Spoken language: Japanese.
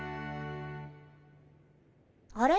あれ？